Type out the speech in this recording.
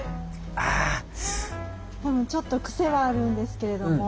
ちょっと癖はあるんですけれども。